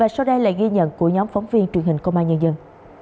sau đây là ghi nhận của nhóm phóng viên truyền hình công an nhân dân